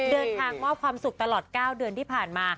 เดินทางมอบความสุขตลอด๙เดือนที่ผ่านมา